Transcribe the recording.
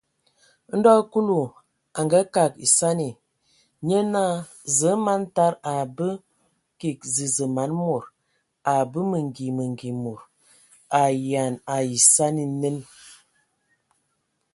Ndo Kulu a ngakag esani, nye naa: Zǝə, man tada, a a mbǝ kig zəzə man mod. A mbə mengi mengi mod. A ayean ai esani nen !